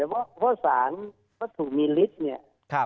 ถ้าเหรอสารถูกมีจริงเนี่ย